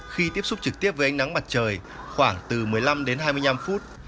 khi tiếp xúc trực tiếp với ánh nắng mặt trời khoảng từ một mươi năm đến hai mươi năm phút